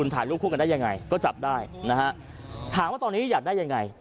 ตอนนี้ถามว่าตอนนี้อยากได้ยังไง